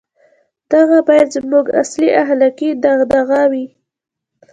• دغه باید زموږ اصلي اخلاقي دغدغه وای.